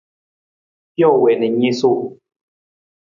Pijo wii na i niisuu.